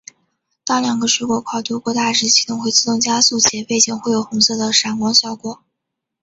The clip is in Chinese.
当两个水果跨度过大时系统会自动加速且背景会有红色的闪光效果。